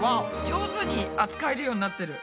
上手に扱えるようになってる。